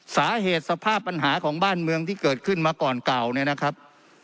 สภาพปัญหาของบ้านเมืองที่เกิดขึ้นมาก่อนเก่าเนี่ยนะครับ